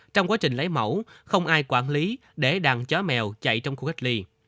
trong quá trình lấy mẫu không ai quản lý để đằng chó mèo chạy trong khu cách ly